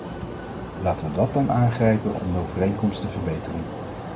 Laten we dat dan aangrijpen om de overeenkomst te verbeteren.